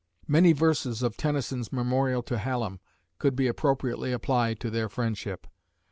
Many verses of Tennyson's Memorial to Hallam could be appropriately applied to their friendship.